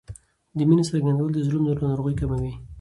د مینې څرګندول د زړونو ناروغۍ کموي.